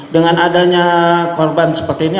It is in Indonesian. dengan adanya korban seperti ini